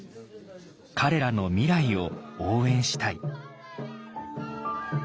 彼らの未来を応援したい。